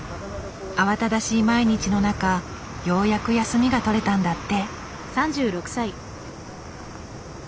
慌ただしい毎日の中ようやく休みが取れたんだって。